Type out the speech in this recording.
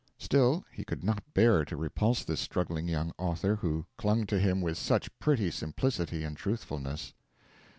Still, he could not bear to repulse this struggling young author, who clung to him with such pretty simplicity and trustfulness.